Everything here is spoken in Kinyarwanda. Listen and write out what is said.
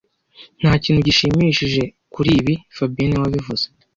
Nta kintu gishimishije kuri ibi fabien niwe wabivuze